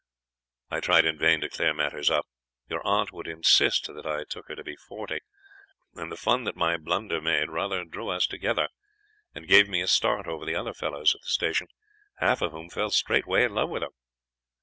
"I tried in vain to clear matters up. Your aunt would insist that I took her to be forty, and the fun that my blunder made rather drew us together, and gave me a start over the other fellows at the station, half of whom fell straightway in love with her.